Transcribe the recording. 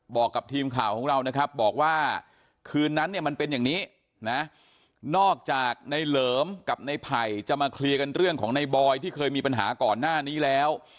บอกกับทีมข่าวของเรานะครับบอกว่าคืนนั้นเนี่ยมันเป็นอย่างนี้นะนอกจากในเหลิมกับในไผ่จะมาเคลียร์กันเรื่องของในบอยที่เคยมีปัญหาก่อนหน้านี้แล้ว